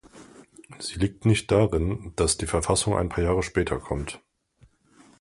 Sie liegt nicht darin, dass die Verfassung ein paar Jahre später kommt.